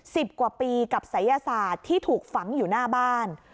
สิบกว่าปีกับศัยศาสตร์ที่ถูกฝังอยู่หน้าบ้าน